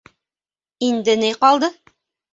Инде ни ҡалды?